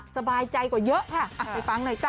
สบายใจกว่าเยอะค่ะไปฟังหน่อยจ้